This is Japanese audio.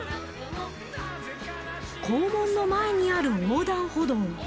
校門の前にある横断歩道。